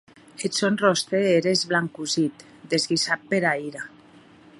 Eth sòn ròstre ère esblancossit, desguisat pera ira.